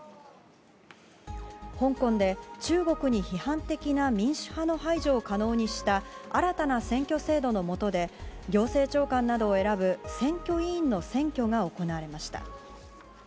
香港で、中国に批判的な民主派の排除を可能にした新たな選挙制度のもとで行政長官などを選ぶ選挙委員の選挙が行われました。